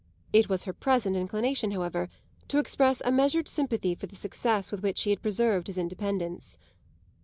It was her present inclination, however, to express a measured sympathy for the success with which he had preserved his independence.